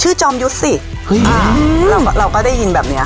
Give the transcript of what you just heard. ชื่อจอมยุศิเฮ้ยอื้มเราก็ได้ยินแบบนี้อ่ะ